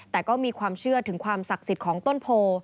แต่ก็มีความเชื่อถึงความศักดิ์สิทธิ์ของต้นโพ